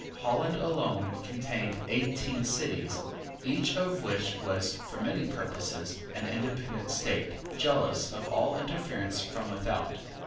Holland alone contained eighteen cities, each of which was, for many purposes, an independent state, jealous of all interference from without.